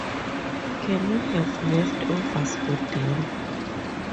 Can we have leftovers for dinner?